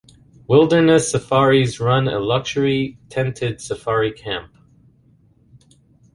Wilderness Safaris run a luxury tented safari camp.